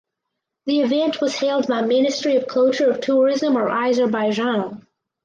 The event was held by Ministry of Culture of Tourism of Azerbaijan.